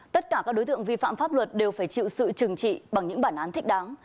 tất cả các đối tượng vi phạm pháp luật đều phải chịu sự trừng trị bằng những bản án thích đáng